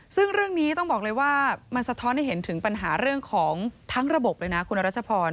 ซึ่งเรื่องนี้ต้องบอกเลยว่ามันสะท้อนให้เห็นถึงปัญหาเรื่องของทั้งระบบเลยนะคุณรัชพร